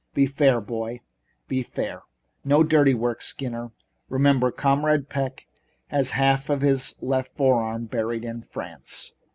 Be fair, boy, be fair. No dirty work, Skinner. Remember, Comrade Peck has half of his left forearm buried in France."